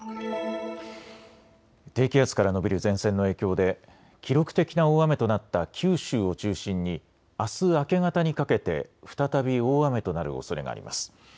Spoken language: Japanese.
低気圧から延びる前線の影響で記録的な大雨となった九州を中心にあす明け方にかけて再び大雨となるおそれがあります。